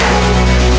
aku mau ngeliatin